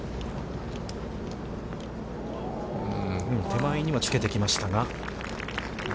手前にはつけてきましたが。